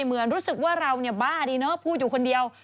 เหมือนรู้สึกว่าเราเนี่ยบ้าดีเนอะพูดอยู่คนเดียว